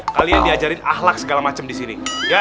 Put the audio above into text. kalian diajarin ahlak segala macam di sini